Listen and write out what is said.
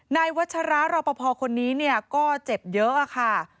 นายวัชรารอปภคนนี้ก็เจ็บเยอะค่ะ